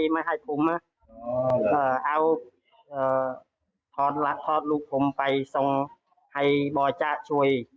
ไม่ให้ผมนะเอาทอดลูกผมไปทรงให้บอจ๊ะช่วย